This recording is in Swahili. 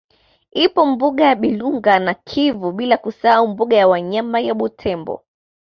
Ipo mbuga ya Bilunga na Kivu bila kusahau mbuga ya wanyama ya Butembo